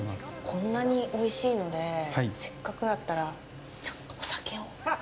こんなにおいしいのでせっかくだったら、ちょっとお酒を。